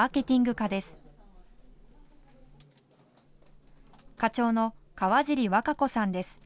課長の河尻和佳子さんです。